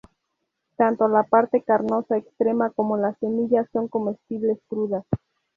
Tanto la parte carnosa externa como la semilla son comestibles crudas.